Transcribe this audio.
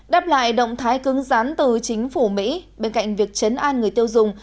đáp lại động thái cứng rán từ chính phủ mỹ bên cạnh việc chấn an người tiêu dùng